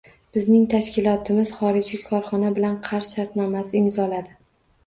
Bizning tashkilotimiz xorijiy korxona bilan qarz shartnomasi imzoladi.